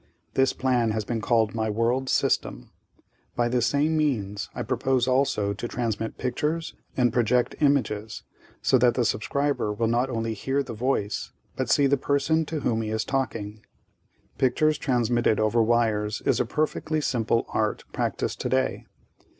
This plan has been called my "world system." By the same means I propose also to transmit pictures and project images, so that the subscriber will not only hear the voice, but see the person to whom he is talking. Pictures transmitted over wires is a perfectly simple art practiced today.